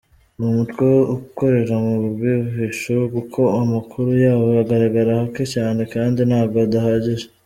Ni umutwe ukorera mu bwihisho kuko amakuru yawo agaragara hake cyane kandi nabwo adagahije.